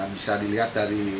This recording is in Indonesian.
bisa dilihat dari